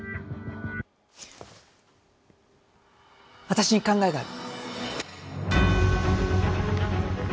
私に考えがある。